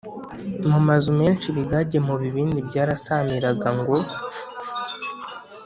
mu mazu menshi ibigage mu bibindi byarasamiraga ngo pfupfu